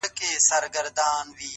اې د ویدي د مست سُرود او اوستا لوري _